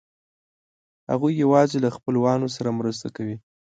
هغوی یواځې له خپلوانو سره مرسته کوي.